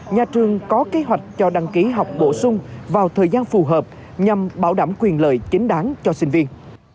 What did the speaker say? nhà trường có kế hoạch cho đăng ký học bổ sung vào thời gian phù hợp nhằm bảo đảm quyền lợi chính đáng cho sinh viên